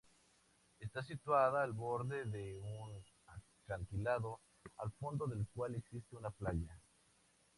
Está situada al borde de un acantilado, al fondo del cual existe una playa.